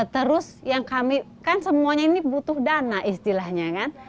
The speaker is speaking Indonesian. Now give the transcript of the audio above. terus yang kami kan semuanya ini butuh dana istilahnya kan